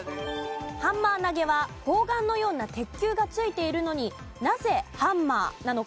ハンマー投げは砲丸のような鉄球が付いているのになぜハンマーなのか。